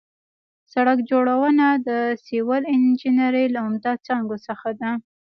سړک جوړونه د سیول انجنیري له عمده څانګو څخه ده